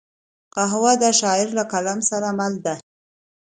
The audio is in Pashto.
قهوه د شاعر له قلم سره مل ده